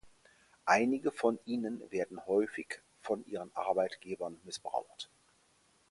Einige von ihnen werden häufig von ihren Arbeitgebern missbraucht.